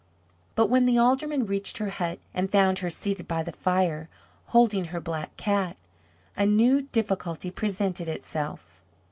But when the Aldermen reached her hut and found her seated by the fire, holding her Black Cat, a new difficulty presented itself.